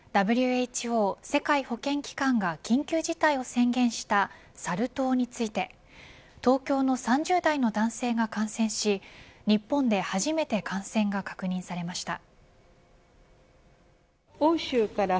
ＷＨＯ、世界保健機関が緊急事態を宣言したサル痘について東京の３０代の男性が感染し日本で初めて感染が確認されました。